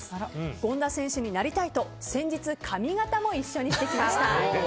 権田選手になりたいと先日、髪形も一緒にしてきました。